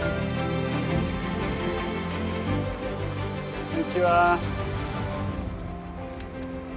こんにちは。